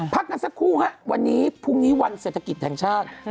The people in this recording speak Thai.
พักกันสักครู่ฮะวันนี้พรุ่งนี้วันเศรษฐกิจแห่งชาติ